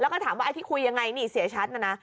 แล้วก็ถามว่าไอ้ที่คุยยังไงนี่เสียชัดนะนะ